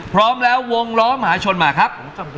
พร้อมแล้ววงล้อมหาชนมาครับ